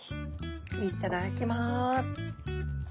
いっただっきます。